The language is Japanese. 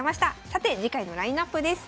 さて次回のラインナップです。